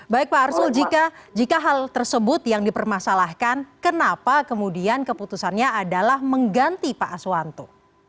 baik pak arsul jika hal tersebut yang dipermasalahkan kenapa kemudian keputusannya adalah mengganti pak aswanto